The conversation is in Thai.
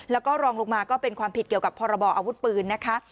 แล้วก็รองลงมาก็เป็นความผิดเกี่ยวกับพรบออาวุธปืนนะคะ